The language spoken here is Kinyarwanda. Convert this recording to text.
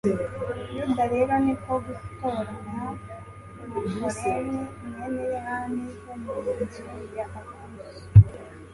yuda rero ni ko gutoranya ewupolemi, mwene yohani wo mu nzu ya akosi